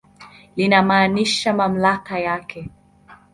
Linamaanisha mamlaka yake.